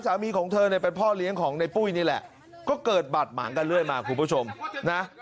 ของเธอเนี่ยเป็นพ่อเลี้ยงของในปุ้ยนี่แหละก็เกิดบาดหมางกันเรื่อยมาคุณผู้ชมนะ